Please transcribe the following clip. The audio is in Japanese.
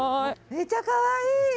めっちゃかわいい。